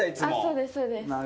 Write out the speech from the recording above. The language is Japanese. そうですそうです。